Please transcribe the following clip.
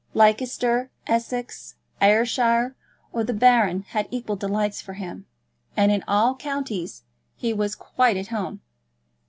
Leicester, Essex, Ayrshire, or the Baron had equal delights for him; and in all counties he was quite at home.